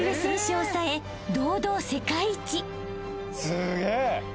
すげえ！